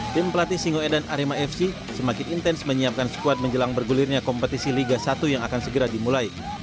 tim pelatih singoedan arema fc semakin intens menyiapkan skuad menjelang bergulirnya kompetisi liga satu yang akan segera dimulai